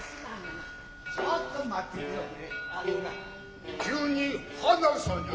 なあちょっと待っててくれ。